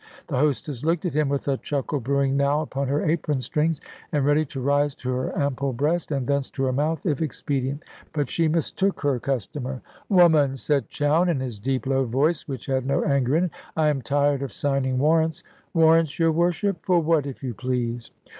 The hostess looked at him, with a chuckle brewing now under her apron strings, and ready to rise to her ample breast, and thence to her mouth, if expedient. But she mistook her customer. "Woman," said Chowne, in his deep low voice, which had no anger in it; "I am tired of signing warrants." "Warrants, your Worship! For what, if you please?"